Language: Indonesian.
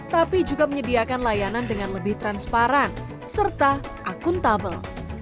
tapi juga menyediakan layanan dengan lebih transparan serta akuntabel